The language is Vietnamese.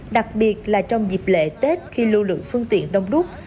đặc biệt là trong dịp lễ tết khi lưu lượng phương tiện đông đúc